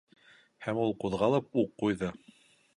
Һәм ул ҡуҙғалып уҡ ҡуйҙы.